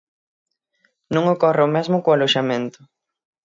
Non ocorre o mesmo co aloxamento.